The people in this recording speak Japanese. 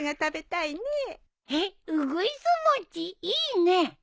いいねえ。